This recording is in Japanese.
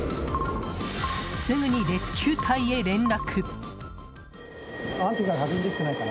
すぐにレスキュー隊へ連絡。